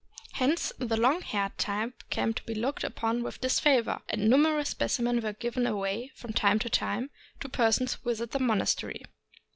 Hence the long haired type came to be looked upon with disfavor, and numerous specimens were given away, from time to time, to persons who visited the monastery.